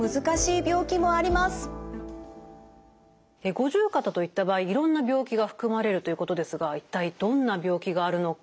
五十肩といった場合いろんな病気が含まれるということですが一体どんな病気があるのか。